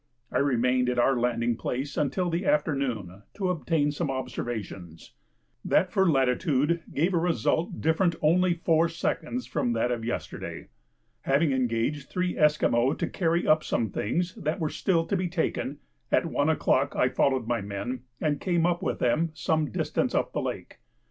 I remained at our landing place until the afternoon to obtain some observations. That for latitude gave a result different only 4" from that of yesterday. Having engaged three Esquimaux to carry up some things that were still to be taken, at one o'clock I followed my men and came up with them some distance up the lake.